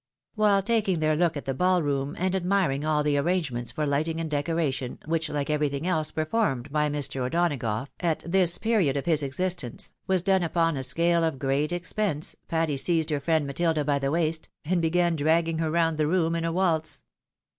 " While taking their look at the ball room, and admiring all tho arrangements for lighting and decoration, which, like every thing else performed by Mr. O'Donagough at this period of liis existence, was done upon a scale of great expense, Patty seized her friend Matilda by the waist, and began dragging her round the room in a waltz.